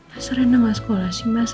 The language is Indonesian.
mas rina gak sekolah sih mas